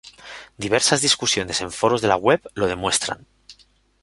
Diversas discusiones en foros de la web lo demuestran.